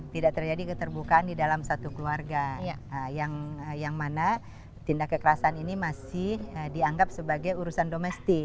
tidak terjadi keterbukaan di dalam satu keluarga yang mana tindak kekerasan ini masih dianggap sebagai urusan domestik